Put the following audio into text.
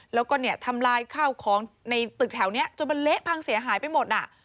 แล้วก็เนี่ยทำลายข้าวของในตึกแถวนี้จนมันเละพังเสียหายไปหมดอ่ะ